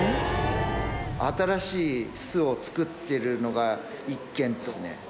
新しい巣を作ってるのが１軒ですね。